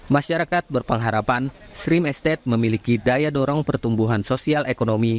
masyarakat berpengharapan stream estate memiliki daya dorong pertumbuhan sosial ekonomi